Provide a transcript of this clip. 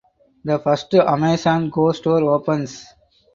The first Amazon Go store opens.